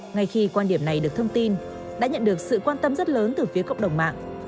ngay khi quan điểm này được thông tin đã nhận được sự quan tâm rất lớn từ phía cộng đồng mạng